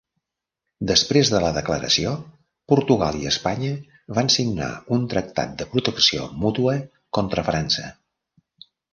Després de la declaració, Portugal i Espanya van signar un tractat de protecció mútua contra França.